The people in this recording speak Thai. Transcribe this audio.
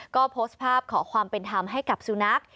ก็โพสต์ภาพขอความเป็นธรรมให้กับสุนัข